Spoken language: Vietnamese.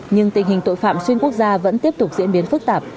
nhưng tình hình tội phạm xuyên quốc gia vẫn tiếp tục diễn biến phức tạp